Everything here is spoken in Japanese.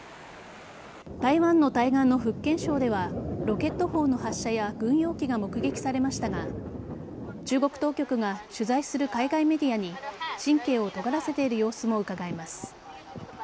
台湾の対岸の福建省ではロケット砲の発射や軍用機が目撃されましたが中国当局が取材する海外メディアに神経をとがらせている様子もうかがえます。